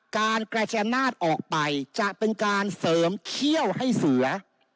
การกระจายอำนาจออกไปจะเป็นการเสริมเขี้ยวให้เสือ